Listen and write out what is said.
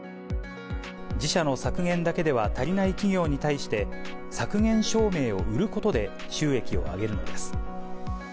自社の削減だけでは足りない企業に対して、削減証明を売ることで、収益をあげるのです。